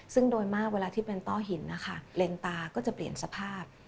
ซึ่งโดยมากเวลาที่เป็นต้อหินนะคะเลนตาก็จะเปลี่ยนสภาพ